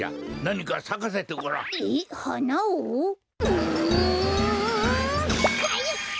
うんかいか！